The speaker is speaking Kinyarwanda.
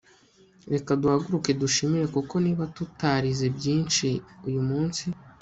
reka duhaguruke dushimire, kuko niba tutarize byinshi uyu munsi